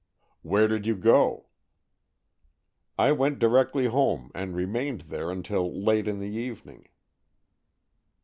"Where did you go?" "I went directly home and remained there until late in the evening."